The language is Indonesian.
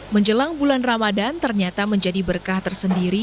menjelang bulan ramadan ternyata menjadi berkah tersendiri